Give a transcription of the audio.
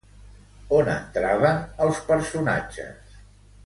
On entraven els personatges?